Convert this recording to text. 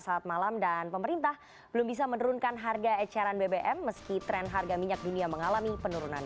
saat malam dan pemerintah belum bisa menurunkan harga eceran bbm meski tren harga minyak dunia mengalami penurunan